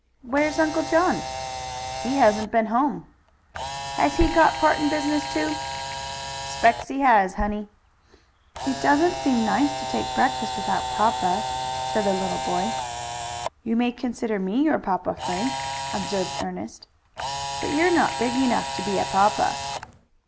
"Where's Uncle John?" "He hasn't been home." "Has he got 'portant business too?" "'Specs he has, honey." "It doesn't seem nice to take breakfast without papa," said the little boy. "You may consider me your papa, Frank," observed Ernest. "But you're not big enough to be a papa."